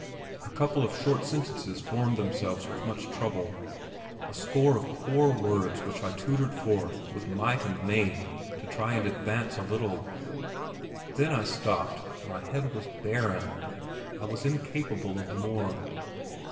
A couple of short sentences formed themselves with much trouble, a score of poor words which I tortured forth with might and main to try and advance a little. Then I stopped, my head was barren; I was incapable of more.